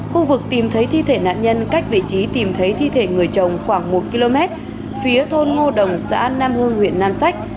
khu vực tìm thấy thi thể nạn nhân cách vị trí tìm thấy thi thể người chồng khoảng một km phía thôn ngô đồng xã nam hưng huyện nam sách